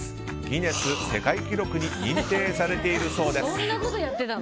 ギネス世界記録に認定されているそうです。